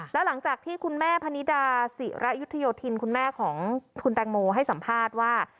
แล้วหลังจากที่คุณแม่พนิดาศิระยุทธโยธินคุณแม่ของคุณแตงโมให้สัมภาษณ์ว่า